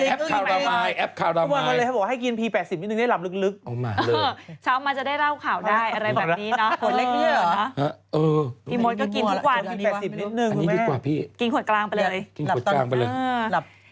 เออหลับกลางคืนเนี้ยนะไม่ใช่แบบตอนนี้นะเดี๋ยวอย่างงี้เดี๋ยวข่าวคุณเชนี่อ่ะ